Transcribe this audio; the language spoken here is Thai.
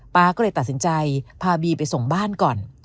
๊าก็เลยตัดสินใจพาบีไปส่งบ้านก่อน